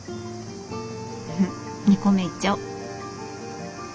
２個目いっちゃお。